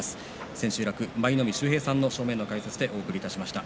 千秋楽、舞の海秀平さんの正面解説でお送りしました。